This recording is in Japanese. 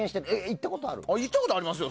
行ったことありますよ、